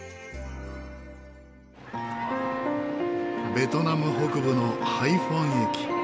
ベトナム北部のハイフォン駅。